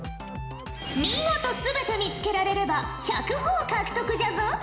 見事全て見つけられれば１００ほぉ獲得じゃぞ。